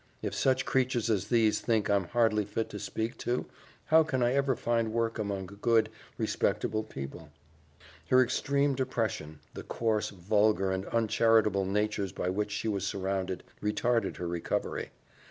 If such creatures as these think I'm hardly fit to speak to, how can I ever find work among good, respectable people?" Her extreme depression, the coarse, vulgar, and uncharitable natures by which she was surrounded, retarded her recovery.